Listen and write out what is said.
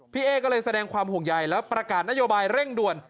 พี่เอ๊ก็เลยแสดงความห่วงใหญ่แล้วประกาศนโยบายเร่งด่วน